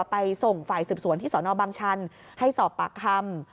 ไปส่งฝ่ายสืบสวนที่สนบังชันให้สอบปากคำ